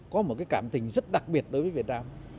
có một cái cảm tình rất đặc biệt đối với việt nam